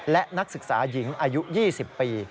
และนักศึกษาหญิงอายุ๒๐ปี